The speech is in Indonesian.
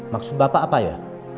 maksud bapak apa ya